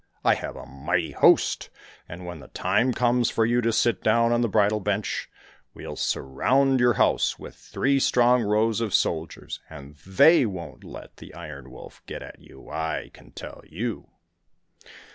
I have a mighty host, and when the time comes for you to sit down on the bridal bench, we'll surround your house with three strong rows of soldiers, and they won't let the Iron Wolf get at you, I can tell you."